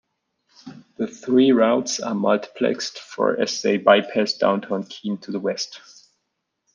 The three routes are multiplexed for as they bypass downtown Keene to the west.